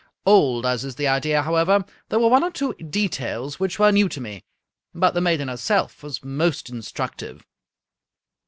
Old as is the idea, however, there were one or two details which were new to me. But the maiden herself was most instructive."